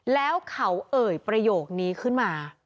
แล้วเขาเอ่ยประโยคนี้ขึ้นมา